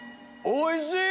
おいしい！